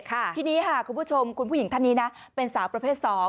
ทีนี้ค่ะคุณผู้ชมคุณผู้หญิงท่านนี้นะเป็นสาวประเภท๒